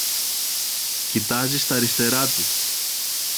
Κοιτάζει στ’ αριστερά του